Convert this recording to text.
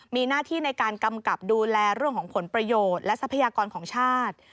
มีหน้าที่ในการกำกับดูแลเรื่องของผลประโยชน์และทรัพยากรของชาติ